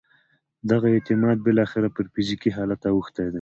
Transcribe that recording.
دغه اعتقاد بالاخره پر فزیکي حالت اوښتی دی